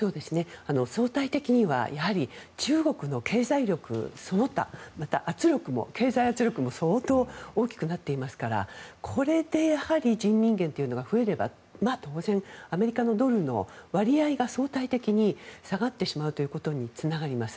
相対的には中国の経済力、その他また、経済圧力も相当大きくなっていますからこれでやはり人民元というのが増えれば当然、アメリカのドルの割合が相対的に下がってしまうということにつながります。